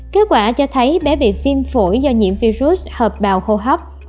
kết quả cho thấy bé bị viêm phổi do nhiễm virus hợp bào hô hấp